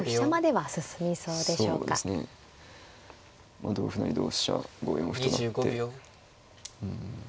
まあ同歩成同飛車５四歩となって。